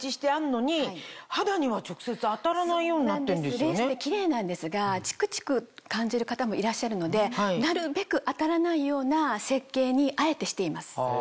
レースってキレイなんですがチクチク感じる方もいらっしゃるのでなるべく当たらないような設計にあえてしています。